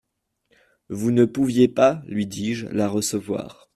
Vous ne pouviez pas, lui dis-je, la recevoir.